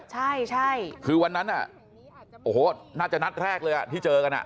ใช่ใช่คือวันนั้นโอ้โหน่าจะนัดแรกเลยอ่ะที่เจอกัน